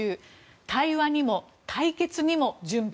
対話にも対決にも準備。